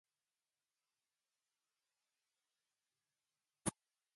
They are often hard to see as they forage through dense vegetation.